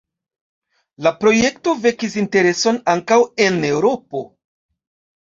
La projekto vekis intereson ankaŭ en Eŭropo.